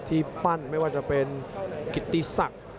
ที่ปั้นไม่ว่าจะเป็นกิติศักดิ์